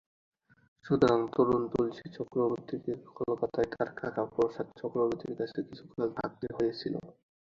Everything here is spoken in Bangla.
সুতরাং তরুণ তুলসী চক্রবর্তীকে কোলকাতায় তার কাকা প্রসাদ চক্রবর্তীর কাছে কিছুকাল থাকতে হয়েছিল।